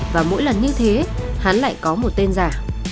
và mỗi lần như thế hắn lại có một tên giả